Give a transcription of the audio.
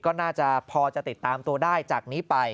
ก็น่าจะพอจะติดตามตัวได้จากนี้ไป